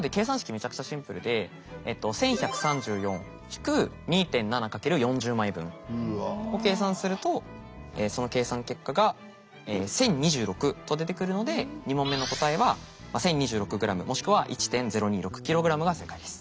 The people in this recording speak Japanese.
めちゃくちゃシンプルでえっとを計算するとその計算結果が１，０２６と出てくるので２問目の答えは１，０２６ｇもしくは１．０２６ｋｇが正解です。